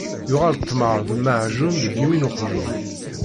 Yuɣal ttmeṛ d lmeɛǧun deg imi n uqjun.